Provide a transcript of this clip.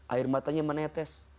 air matanya menetes